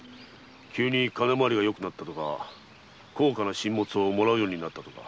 急に金まわりがよくなったとか高価な進物を貰うようになったとか。